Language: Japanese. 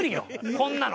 こんなの。